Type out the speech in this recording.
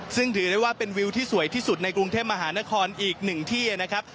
ซึ่งถือได้ว่าเป็นวิวที่สวยที่สุดในกรุงเทพมหานครอีกหนึ่งที่นะครับ